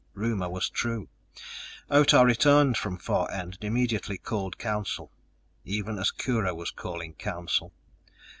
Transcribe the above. Rumor was true. Otah returned from Far End and immediately called Council, even as Kurho was calling Council.